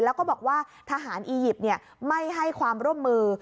แล้วก็บอกว่าทหารอียิปต์ไม่ให้ความร่วมมือ